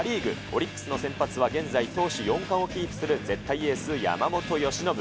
オリックスの先発は現在、投手４冠をキープする絶対エース、山本由伸。